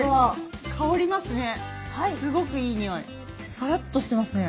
さらっとしてますね。